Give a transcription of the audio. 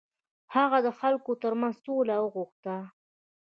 هغه د خلکو تر منځ سوله وغوښته.